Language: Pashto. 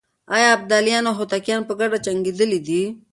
آيا ابداليان او هوتکان په ګډه جنګېدلي دي؟